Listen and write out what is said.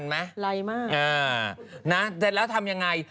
อสวรีชายสมรภูฟังว่ามันจะทำยังไง